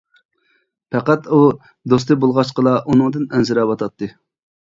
پەقەت ئۇ دوستى بولغاچقىلا ئۇنىڭدىن ئەنسىرەۋاتاتتى.